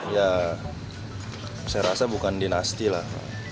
ya saya rasa bukan dinasti lah